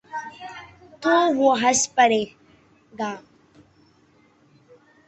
تو وہ ہنس پڑے گا۔